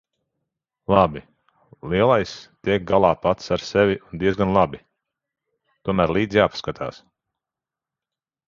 Labi, lielais tiek galā pats ar sevi un diezgan labi. Tomēr līdzi jāpaskatās.